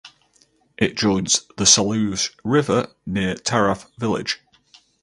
It joins the Satluj River near Taraf village.